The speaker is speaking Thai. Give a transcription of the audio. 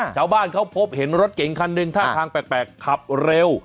ชาวบ้านเขาพบเห็นรถเก๋งคันหนึ่งท่าทางแปลกขับเร็ว